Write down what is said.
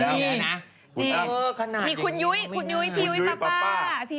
ตรงนี้นะนี่